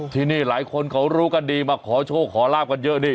ที่นี่หลายคนเขารู้กันดีมาขอโชคขอลาบกันเยอะนี่